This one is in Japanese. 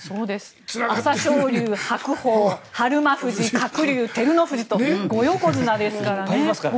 朝青龍、白鵬鶴竜、照ノ富士と５横綱ですからね。